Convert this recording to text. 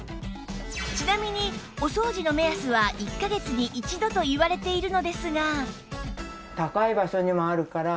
ちなみにお掃除の目安は１カ月に１度といわれているのですが